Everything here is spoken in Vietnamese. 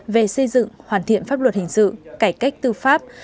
về xây dựng hoàn thiện pháp luật hình sự cải cách tư pháp